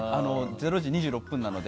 ０時２６分なので。